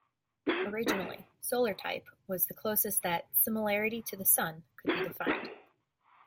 Originally, solar-type was the closest that similarity to the Sun could be defined.